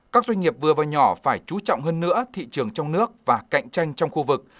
các doanh nghiệp vừa và nhỏ phải chú trọng hơn nữa thị trường trong nước và cạnh tranh trong khu vực